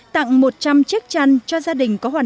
tặng một trăm linh chiếc chăn cho gia đình có hoạt động